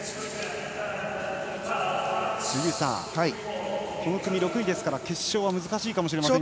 杉内さん、この組６位ですから決勝は難しいかもしれませんが。